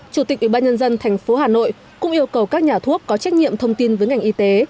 chủ tịch ubnd tp hà nội cũng yêu cầu các nhà thuốc có trách nhiệm thông tin với ngành y tế